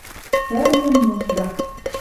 Сӓрнен нужда